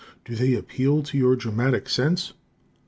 Do they appeal to your dramatic sense?